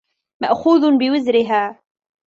مَأْخُوذٌ بِوِزْرِهَا